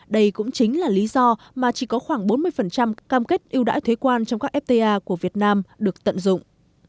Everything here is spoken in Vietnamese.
đây cũng chính là lý do mà chỉ có khoảng bốn mươi cam kết ưu đãi thuế quan trong các fta của việt nam được tận dụng